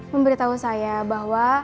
memberitahu saya bahwa